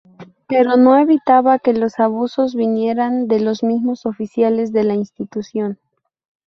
Pero no evitaba que los abusos vinieran de los mismos oficiales de la institución.